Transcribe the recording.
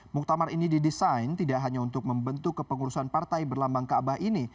muktamar ini didesain tidak hanya untuk membentuk kepengurusan partai berlambang kaabah ini